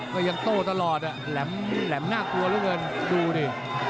ก็ยังโตตลอดแหลมแหลมน่ากลัวเรื่อยกันดูดิ